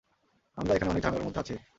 আমরা এখানে অনেক ঝামেলার মধ্যে আছি।